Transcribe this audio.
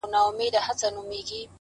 د ښار خلک د حیرت ګوته په خوله وه!!